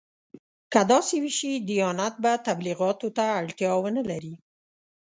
که داسې وشي دیانت به تبلیغاتو ته اړتیا ونه لري.